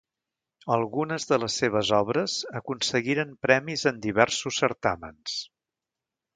Algunes de les seves obres aconseguiren premis en diversos certàmens.